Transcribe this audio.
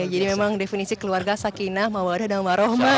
jadi memang definisi keluarga sakinah mawadah dan mahrumah